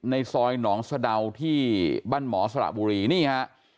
ในซอยหนองสะดาวที่บ้านหมอสระบุรีนี่ฮะ